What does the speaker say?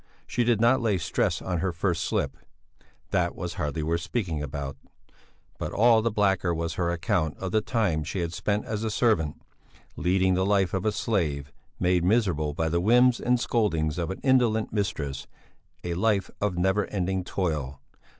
She did not lay stress on her first slip, "that was hardly worth speaking about"; but all the blacker was her account of the time she had spent as a servant, leading the life of a slave, made miserable by the whims and scoldings of an indolent mistress, a life of never ending toil.